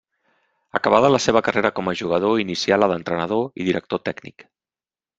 Acabada la seva carrera com a jugador inicià la d'entrenador i director tècnic.